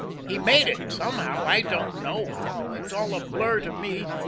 He made it somehow, I don't know how; it's all a blur to me.